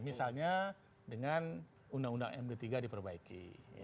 misalnya dengan undang undang md tiga diperbaiki